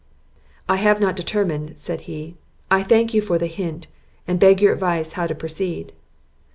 "I have not determined," said he; "I thank you for the hint, and beg your advice how to proceed."